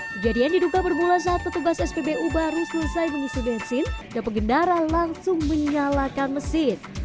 kejadian diduga bermula saat petugas spbu baru selesai mengisi bensin dan pengendara langsung menyalakan mesin